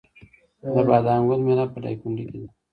د بادام ګل میله په دایکنډي کې ده.